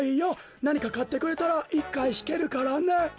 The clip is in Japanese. なにかかってくれたら１かいひけるからね。